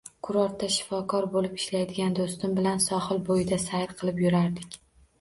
Kurortda shifokor bo`lib ishlaydigan do`stim bilan sohil bo`yida sayr qilib yurardik